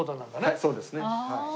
はいそうですね。